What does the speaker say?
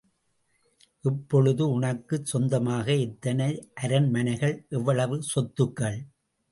இப்பொழுது உனக்குச் சொந்தமாக எத்தனை அரண்மனைகள், எவ்வளவு சொத்துக்கள்!